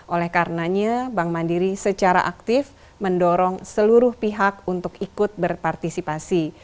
oleh karenanya bank mandiri secara aktif mendorong seluruh pihak untuk ikut berpartisipasi